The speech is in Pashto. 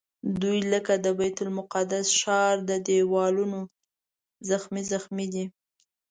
دوی لکه د بیت المقدس ښار د دیوالونو زخمي زخمي دي.